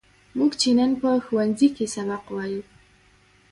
موږ چې نن په ښوونځي کې سبق وایو.